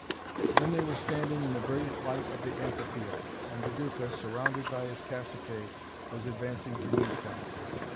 Then they were standing in the brilliant light of the amphitheatre, and the Duca, surrounded by his caciques, was advancing to meet them.